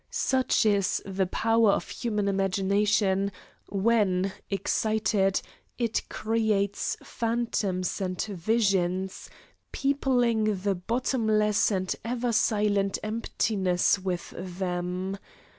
Such is the power of human imagination when, excited, it creates phantoms and visions, peopling the bottomless and ever silent emptiness with them.